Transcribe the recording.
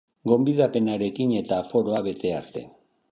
Gonbidapenarekin eta aforoa bete arte.